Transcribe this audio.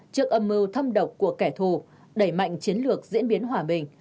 trước âm mưu thâm độc của kẻ thù đẩy mạnh chiến lược diễn biến hòa bình